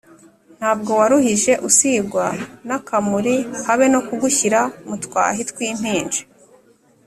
Ntabwo waruhije usigwa n’akamuri, habe no kugushyira mu twahi tw’impinja